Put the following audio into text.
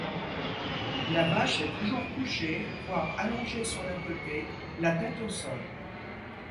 La vache est toujours couchée, voire allongée sur le côté, la tête au sol.